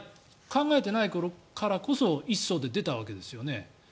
考えていないからこそ１艘で出たわけですよね。